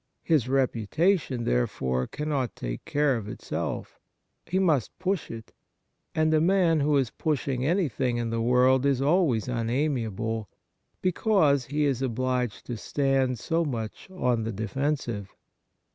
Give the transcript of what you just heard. His reputation therefore cannot take care of itself. He must push it ; and a man who is pushing anything in the world is always unamiable, because he is obHged to stand so much on the de fensive.